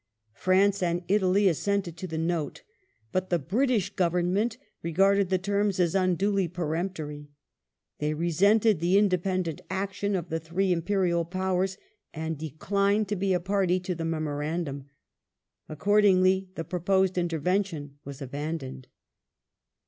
France and Italy assented to the Note, but the British Government regarded the terms as unduly peremptory ; they resented the inde pendent action of the three Imperial Powers, and declined to be a party to the Memorandum. Accordingly the proposed interven tion was abandoned.